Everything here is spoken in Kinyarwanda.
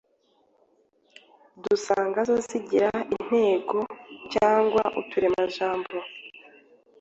Dusanga zo zigira intego cyangwa uturemajambo